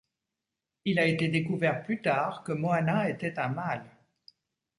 Il a été découvert plus tard que Moana était un mâle.